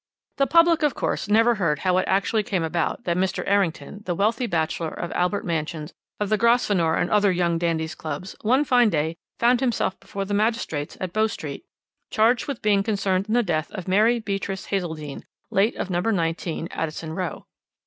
"The public, of course, never heard how it actually came about that Mr. Errington, the wealthy bachelor of Albert Mansions, of the Grosvenor, and other young dandies' clubs, one fine day found himself before the magistrates at Bow Street, charged with being concerned in the death of Mary Beatrice Hazeldene, late of No. 19, Addison Row.